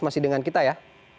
masih dengan kita ya